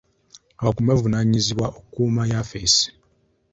Abakuumi bavunaanyizibwa okukuuma yafesi.